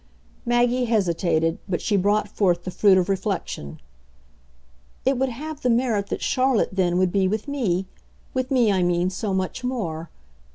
Maggie hesitated, but she brought forth the fruit of reflection. "It would have the merit that Charlotte then would be with me with me, I mean, so much more.